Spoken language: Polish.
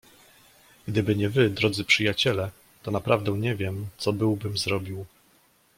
"Gdyby nie wy, drodzy przyjaciele, to naprawdę nie wiem, co byłbym zrobił."